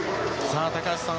高橋さん